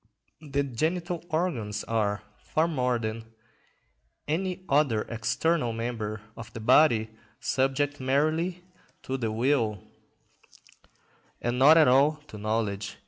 The genital organs are, far more than any other external member of the body, subject merely to the will, and not at all to knowledge.